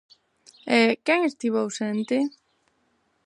E, quen estivo ausente?